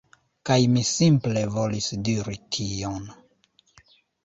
Kaj mi simple volis diri tion.